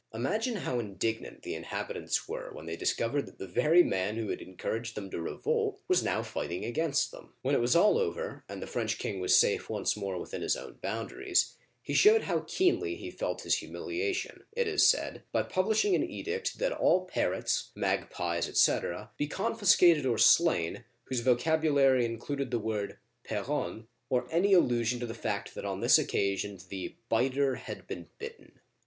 Imagine how indignant the inhabitants were when they discovered that the very man who had encouraged them to revolt was now fighting against them ! When it was all over, and the French king was safe once more within his own boundaries, he showed how keenly he felt his humiliation, it is said, by publishing an edict that all parrots, magpies, etc., be confiscated or slain, whose vo cabulary included the word " P^ronne," or any allusion to the fact that on this occasion the "biter had been bitten."